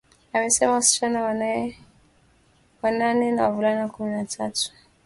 amesema wasichana wanane na wavulana kumi na tatu